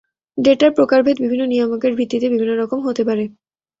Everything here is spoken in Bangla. ডেটার প্রকারভেদ বিভিন্ন নিয়ামকের ভিত্তিতে বিভিন্ন রকম হতে পারে।